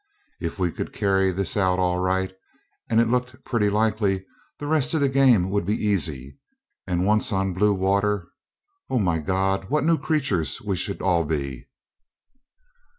If we could carry this out all right and it looked pretty likely the rest of the game would be easy; and once on blue water O my God, what new creatures we should all be!